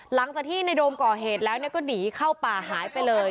หลังจากที่ในโดมก่อเหตุแล้วก็หนีเข้าป่าหายไปเลย